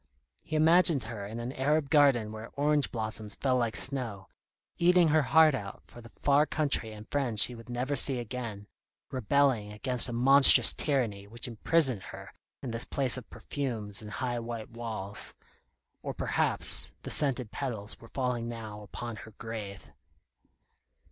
He imagined her in an Arab garden where orange blossoms fell like snow, eating her heart out for the far country and friends she would never see again, rebelling against a monstrous tyranny which imprisoned her in this place of perfumes and high white walls. Or perhaps the scented petals were falling now upon her grave.